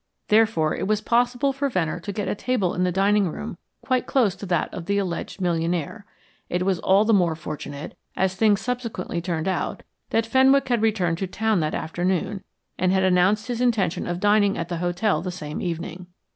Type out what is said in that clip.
Therefore, it was possible for Venner to get a table in the dining room quite close to that of the alleged millionaire. It was all the more fortunate, as things subsequently turned out, that Fenwick had returned to town that afternoon and had announced his intention of dining at the hotel the same evening.